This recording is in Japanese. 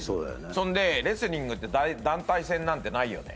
そんでレスリングって団体戦なんてないよね？